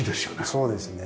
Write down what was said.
そうですね。